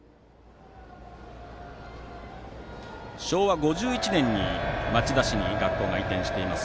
昭和５１年に町田市に学校が移転しています。